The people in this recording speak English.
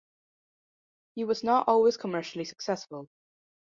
He was not always commercially successful.